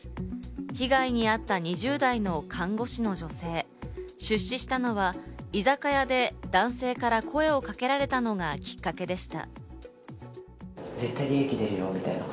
被害に遭った２０代の看護師の女性、出資したのは居酒屋で男性から声をかけられたのがきっかけでした。